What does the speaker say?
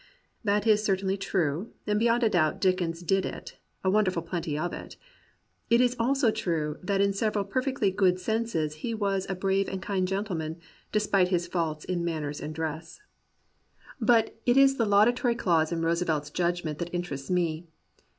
That is certainly true, and beyond a doubt Dickens did it — a wonderful plenty of it. It is also true that in several perfectly good senses he was a brave and kind gentleman, despite his faults in manners and dress. 105 COMPANIONABLE BOOKS But it is the laudatory clause in Roosevelt's judg ment that interests me.